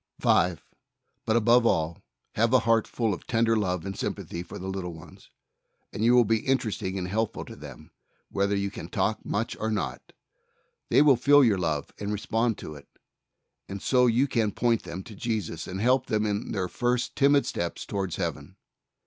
5. But above all have a heart full of ten der love and sympathy for the little ones, and you will be interesting and helpful to soul winner's commission. 147 them whether you can talk much or not. They will feel your love and respond to it, and so you can point them to Jesus and help them in their first timid steps toward Heaven.